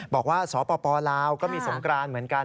บอกว่าสปลาวก็มีสงกรานเหมือนกัน